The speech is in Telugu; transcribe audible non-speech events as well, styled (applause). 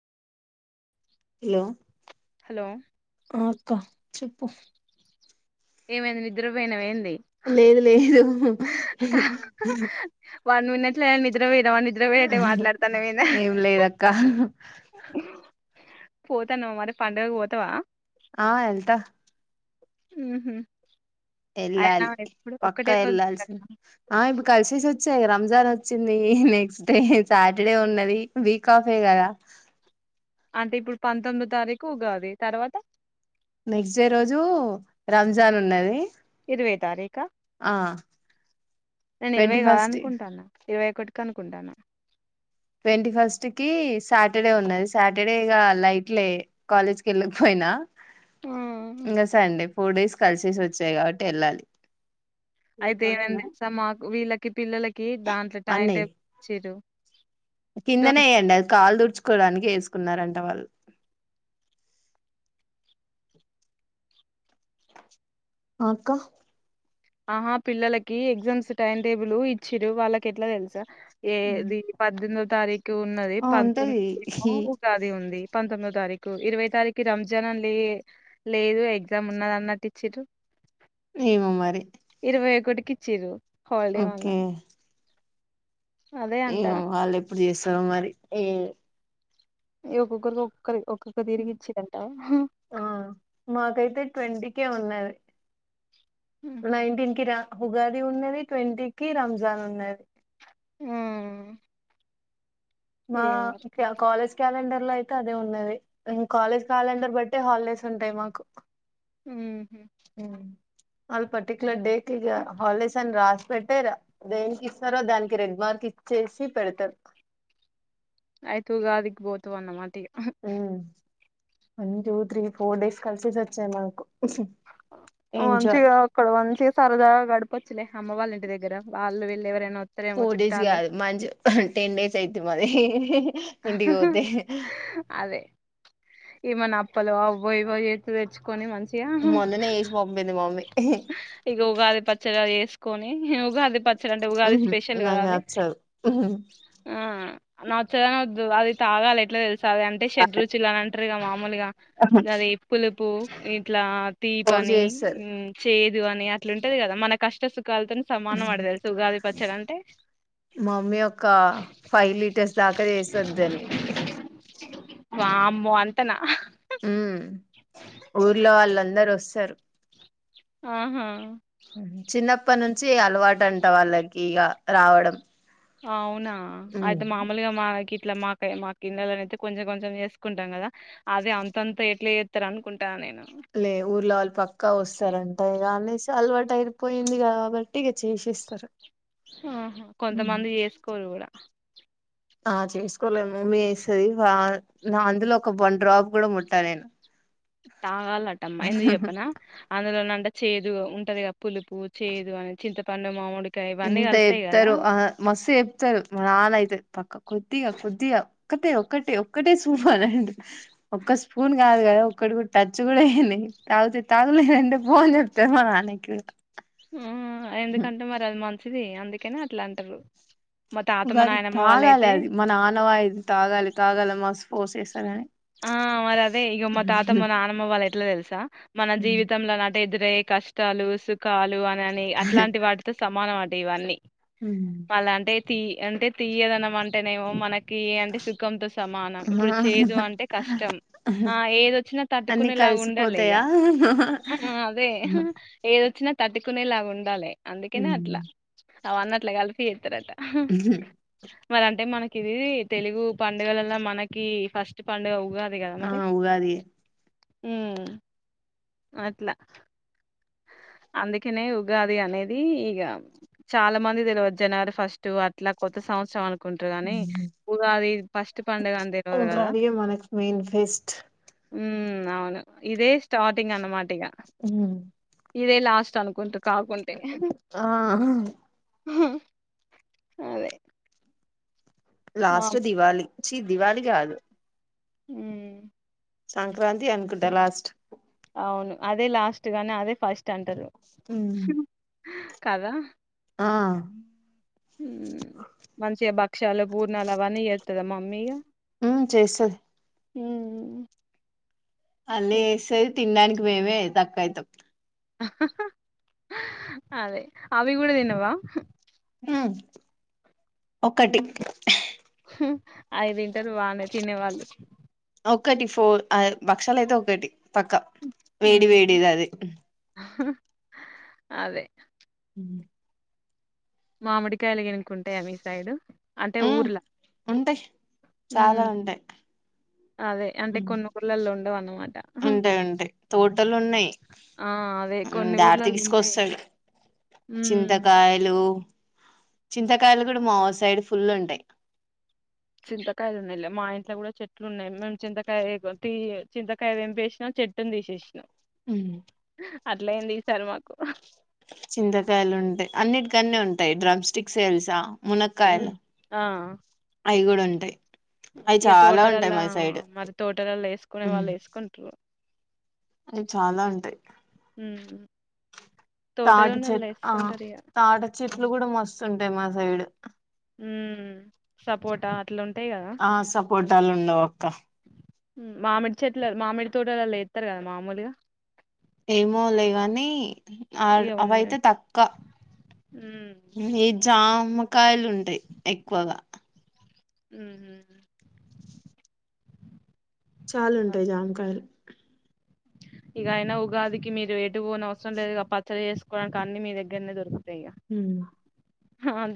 హలో హలో ఆ అక్క చెప్పు ఏమైంది నిద్రపోయినావా ఏం లేదు లేదు వన్ మినిట్ లో నిద్ర పోయి నావా నిద్ర పోయేట్టే మాట్లాడుతాన్నావ్ ఏందే ఏం లేదక్క పోతానావా మరి పండుగకు పోతావా ఆ ఎళ్తా ఊహూ ఎళ్ళాలి పక్కా ఎళ్ళాళ్సి ఆ ఇప్పుడు కలిసేసొ చ్చే ఇగ రంజాన్ వచ్చింది నెక్స్ట్ డే సాటర్డే ఉన్నది వీక్ ఆఫే కదా అంటే ఇప్పుడు పంతొమ్మిదో తారీఖు ఉగాది తర్వాత నెక్స్ట్ డే రోజు రంజాన్ ఉన్నది ఇరవై తారీఖ ఆ నేను ఇరవై ట్వంటీ ఫస్ట్ కాదనుకుంటన్నా ఇరవై ఒకటికి అనుకుంటాన ట్వంటీ ఫస్ట్ కి సాటర్డే ఉన్నది సాటర్డేగా లైట్లే కాలేజ్ కి వెళ్ళకపోయినా, ఇంగ సండే ఫోర్ డేస్ కలిసేసి వచ్చాయి కాబట్టి వెళ్ళాలి అయితే ఏమైంది స మాకు వీళ్ళకి పిల్లలకి దాంట్లో టైం అన్నయ్ టే (unintelligible) చ్చిర్రు కిందనే వేయండి అది కాళ్లు దుడుచుకోవడానికి వేసు కున్నారంట వాళ్ళు అక్క అహా పిల్లలకి ఎగ్జామ్స్ టైం టేబుల్ ఇచ్చిర్రు వాళ్ళకి ఎట్లా తెలుసా ఏది పద్దెనిమిదవ తారీఖు ఉన్నది ఆ ఉంటది పంతొమ్మిది (unintelligible) ఉగాది ఉంది పంతొమ్మిదో తారీఖు ఇరవై తారీఖు రంజాన్ లే లేదు ఎగ్జామ్ ఉన్నది అన్నట్టు ఇచ్చిర్రు. ఏమో మరి ఒకక్కటికి ఇచ్చారు హాలిడే వల్ల ఓకే అదే ఏమో అంటాను వాళ్ళు ఎప్పుడు చేసారు మరి ఏ ఏ కుక్క కుక్క క్కక్క ర్తిరిగి వచ్చిందంటే ఆ మాకైతే ట్వంటీకే ఉన్నది నైన్టీన్ కి రా ఉుగాది ఉన్నది ట్వంటీకిి రంజాన్ ఉన్నది ఆ మా ఏమో కాలేజ్ క్యాలెండర్ లో అయితే అదే ఉన్నది కాలేజ్ క్యాలెండర్ బట్టే హాలిడేస్ ఉంటాయి మాకు ఉహు మ్మ్మ్మ్ వాళ్ళ పర్టిక్యులర్ డేకి హాలిడేస్ అని రాసి పెట్టే అదే ఇస్తారో దానికి రెగ్మార్ కి ఇచ్చేసి పెడతార ఆయితుగా అదిక్ పోతు అన్న మాటి హ one two three four days కలిసది వచ్చే మనకు వన్ంచిిగాక్కడు వంంచిగా సారదా గడపచ్చిలే అమ్మ వాళంటిగ్గర వాళ వెళ్ళ ఎవరనా ఫోర్ డేస్ కాదు మంచి టెన్ డేస్ అయితు మది ఇంటికి పోతే ఏమనా అప్పలు అవబోయవ ఎతు తెచ్చుకొని మంచి మొన్ననే చేసి పంపింది మమ్మీ మహాఇక ఉగాది పచ్చడి అది వేసుకొని ఉగాది పచ్చడి అంటే ఉగాది ఉహు స్పెషల్ నాకు కదది నచ్చదు ఉహు ఆ నా చదా అది తాగాలి ఎట్లా తెలుస అంటేషడ్ రుచి ఇలా అంటారు క మామ మాలుగా అది ఎప్పులుపు ఇట్లా తీ ఫోర్స్ పని చేస్తది ఉ చేయదు అని అట్లుంటది కదా మన కష్టసుకది కళ్తోని సమానం పడ తెలుసు ఉగాది పచ్చల అంటే సక చేస్తుద్దాన్ని వా అమ్మో అంతనా ఉ ఊర్లో వాళ్ళందరుూ వస్తారు ఆహా చిన్నప్ప నుంచి అలవాటు అంట వాళ్ళకి ఇక రావడం అవునా అయితే ఉమ్ మామూలుగా మాకి ఇట్లా మాక మా కిన్నలు అయితే కొంచెం కొంచెం చేసుకుంటాం కదా అదే అంతంత ఎట్లే చేస్తారు అనుకుంటాను నేను లే ఊర్లో వాళ్ళు పక్కా వస్తారుంటాయి కానీసి అలవాటు తగిరిపోయింది కా కాబట్టి ఇక చేసేస్తారు ఆహా ఉమ్. కొంతమంది చేసుకోరు కూడా ఆ చేసుకోలేము మీ వస్తుంది నా అందులో ఒక వన్ డ్రాప్ కూడా ముట్టా నేను తాగాలట్టమ్మా ఎందుకు చెప్పనా అందులోనంట చేదు ఉంటది క పులుపు చేదు అని చింతపండు మామిడి ఇంత చెప్తారు ఆ మస్తు చెప్తారు మనాన అయితే పక్క కొద్దిగా కొద్దిగా ఒక్కటే ఒక్కటే ఒక్కటే చూపనండి ఒక్క స్పూన్ కదా ఒక్కటి కూడా టచ్ కూడా ఏంది తాగితే తాగులేదంటే ఫోన్ చెప్తారు మా నాన్నకి్య ఆ ఎందుకంటే మరి అది మంచిది అందుకనే అట్లా అంటారు మా తాత మా అది నాయనమ్మ తాగాలి వాళ్ళయితే అది మన నానవాయిది తాగాలి తాగాల మా స్ ఫోర్స్ చేసాలని ఆ మరి అదే ఇక మా తాతమ్మ నానమ్మ వాళ్ళ ఎట్లా తెలుసా మన జీవితంలో ఎదురే కష్టాలు సుఖాలు అనిని అట్లాంటి వాటితో సమానం అట ఇవన్నీ మళ్ళా అంటే తీియ అంటే తీయదనం అంటేనేమో మనకి కి అంటే సుఖంతో సమానం ఇప్పుడు చేదు అంటే కష్టం ఆ ఏదొచ్చినా అన్ని తట్టుకునేలా ఉండాలి ఇగ కలిసిపోతాయా అదే ఏదొచ్చినా తట్టుకునేలాగా ఉండాలి అందుకేనే అట్లా అవ అన్నట్లా కలిపి ఇస్తారట మరి అంటే మనకి ఇది తెలుగు పండుగలలో మనకి ఫస్ట్ పండుగ ఆ ఉగాది ఉ అట్లా అందుకనే ఉగాది అనేది ఇగ చాలా మంది తెలివదు జనవరి ఫస్ట్ అట్లా కొత్త సంవత్సరం కుంటరు గానీ ఉగాది ఫస్ట్ పండుగ అని తెలువదు కదా ఉగాదియే మనకు మెయిన్ ఫెస్ట్ ఉ అవును ఇదే స్టార్టింగ్ అన్నమా మ్ ఇదే లాస్ట్ అనుకుంటు కాకుంటే ఆ అదే మా లాస్ట్ దివాళి చీ దివాళికి కాదు మ్ సంక్రాంతి అనుకుంటా లాస్ట్ అవును అదే లాస్ట్ గానీ అదే ఫస్ట్ అంటరు కదా ఆ మంచిగా భక్షాలు పూర్ణాలు అవన్నీ చెత్తదా మమ్మీ ఇగ మి చేస్తది ఉమ్ మ్ అళ్ళీ ఎస్తది తినడానికి మేమే తక్కువ అయితాం అదే అవి కూడ తినవా మ్ ఒకటి అవి తింటరు బానే తినేవాళ్ళు ఒక్కటి ఫోర్ భక్షాలయితే ఒకటి పక్కా వేడి మ్మ్ వేడిది అది అదే మామిడికాయలు గినుక ఉంటాయా మీ సైడు అంటే మ్ ఊర్ల ఉంటాయ్ చాలా మ్మ్ ఉంటాయ్ అదే అంటే కొన్ని ఊర్లలో ఉండవు అన్నమాట ఉంటాయ్ ఉంటాయ్ తోటలు ఉన్నయ్ ఆ అదే మ్ కొన్ని డాడ్ ఊర్లలో ఉంటాయి తీస్కోస్తాడు మ్మ్ చింతకాయలు చింతకాయలు కూడా మా సైడ్ ఫుల్ ఉంటాయ్ చింతకాయలు ఉన్నాయిలే మా ఇంట్లో కూడా చెట్లు ఉన్నాయి మేము చింతకాయ తి చింతకాయ తెంపేసిన చెట్టు నీ తీసేసిన ఉమ్ అట్ల అయింది ఈసారు మాకు చింతకాయలు ఉంటాయి అన్నిటికన్న ఉంటాయి డ్రమ్ స్టిక్స్ తెల్సా మ్ ఆ అవి కూడా ఉంటయ్ ఇగ తోటలల మరి తోటలలో వేసుకునే ఉమ్, వాళ్ళు వేసుకుంటరు అవి చాలా ఉంటాయి మ్మ్ తాటి తోటలోనోళ్ళు చెట్ ఆ ఏసుకుంటారు ఇగ తాట చెట్లు కూడా మస్తుంటాయి మా సైడ్ ఉ సపోటా అట్లా ఉంటాయి కదా తలుండవక్క మామిడి చెట్ల మామిడి తోటలలో ఎత్తరు కదా మామూలుగా ఏమో లే గాని ఆ ఇగ ఉన్నాయి అవయితే తకువ మ్మ్ ఈ జామకాయలు ఉంటాయి ఎక్కువగా మ్ మ్ చాలుంటయ్ జామకాయలు ఇగ అయినా ఉగాదికి మీరు ఎటు పోనవసరం లేదు గా పచ్చడి చేసుకోవడానికి అన్ని మీ దగ్గరనే దొరుకుతాయి మ్ హ